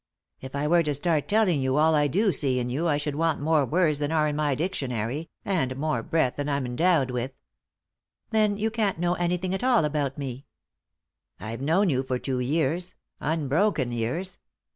" If I were to start telling you all I do see in you I should want more words than are in my dictionary, and more breath than I'm endowed with." " Then you can't know anything at all about me." " I've known you for two years ; unbroken years.